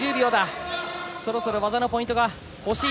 そろそろ技のポイントがほしい。